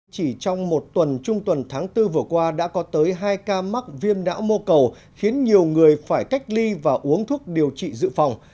chỉ trong một tuần trung tuần tháng bốn vừa qua đã có tới hai ca mắc viêm não mô cầu khiến nhiều người phải cách ly và uống thuốc điều trị dự phòng